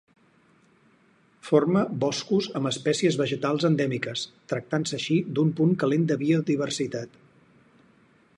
Forma boscos amb espècies vegetals endèmiques, tractant-se així d'un punt calent en biodiversitat.